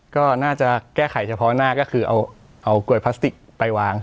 ก็น่าจะแก้ไขเฉพาะหน้าก็คือเอากลวยพลาสติกไปวาง